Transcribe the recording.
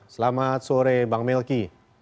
selamat sore bang melki